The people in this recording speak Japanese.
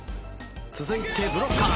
続いてブロッカー。